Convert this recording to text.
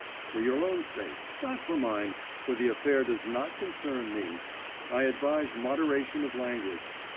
For your own sake not for mine, for the affair does not concern me I advise moderation of language.